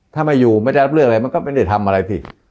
ถ้าไม่อยู่ไม่ได้รับเรื่องอะไรมันก็ไม่ได้ทำอะไรพี่